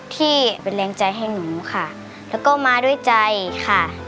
ที่เป็นแรงใจให้หนูค่ะแล้วก็มาด้วยใจค่ะ